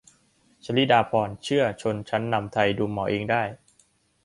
'ชลิดาภรณ์' เชื่อชนชั้นนำไทยดูหมอเองได้